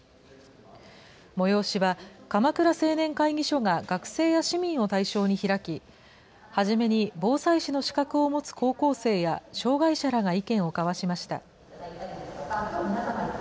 催しは鎌倉青年会議所が学生や市民を対象に開き、初めに防災士の資格を持つ高校生や障害者らが意見を交わしました。